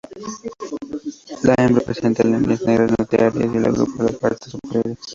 La hembra presenta líneas negras notorias en la grupa y las partes superiores.